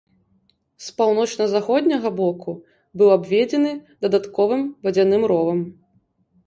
З паўночна-заходняга боку быў абведзены дадатковым вадзяным ровам.